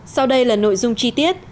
sau đây là nội dung chi tiết